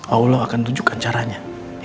allah akan tunjukkan caranya